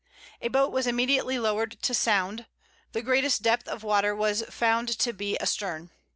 A boat was immediately lowered to sound. The greatest depth of water was found to be astern.